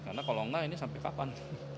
karena kalau enggak ini sampai kapan